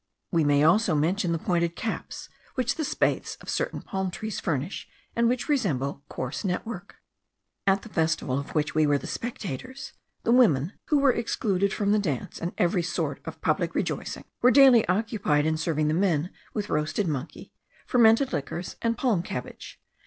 We may also mention the pointed caps, which the spathes of certain palm trees furnish, and which resemble coarse network. At the festival of which we were the spectators, the women, who were excluded from the dance, and every sort of public rejoicing, were daily occupied in serving the men with roasted monkey, fermented liquors, and palm cabbage.